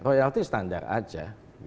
royalty standar aja